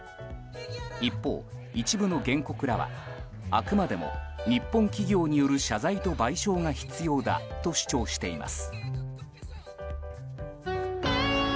一方、一部の原告らはあくまでも日本企業による謝罪と賠償が必要だと主張しています。